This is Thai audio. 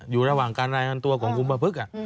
อยู่ระหว่างการรายงานตัวของคุณประพฤกษ์